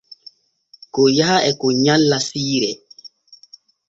Kon yaha e kon nyalli siire.